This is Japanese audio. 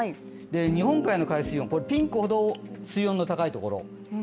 日本海の海水温、ピンクほど水温が高いんです。